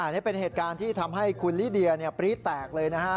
นี่เป็นเหตุการณ์ที่ทำให้คุณลิเดียปรี๊แตกเลยนะฮะ